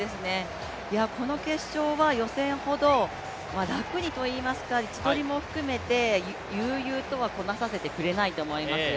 この決勝は予選ほど楽にといいますか位置取りも含めて悠々とはこなさせてくれないと思いますよ